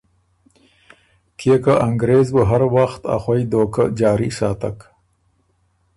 کيې که انګرېز بُو هر وخت ا خوئ دهوکۀ جاري ساتک